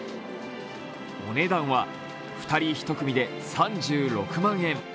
お値段は、２人１組で３６万円。